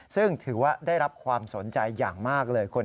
ซึ่งถือว่าได้รับความสนใจอย่างมากเลย